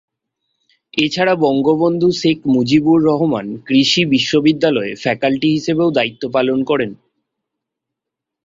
এছাড়া বঙ্গবন্ধু শেখ মুজিবুর রহমান কৃষি বিশ্ববিদ্যালয়ে ফ্যাকাল্টি হিসেবেও দায়িত্ব পালন করেন।